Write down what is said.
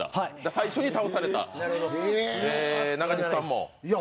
最初に倒された、中西さんも？